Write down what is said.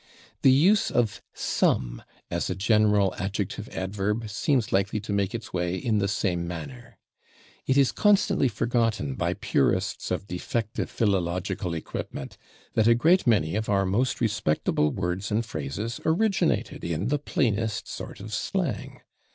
The use of /some/ as a general adjective adverb seems likely to make its way in the same manner. It is constantly forgotten by purists of defective philological equipment that a great many of our most respectable words and phrases originated in the plainest sort of slang.